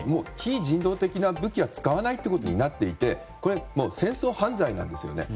非人道的な兵器は使わないということになっていて戦争犯罪なんです。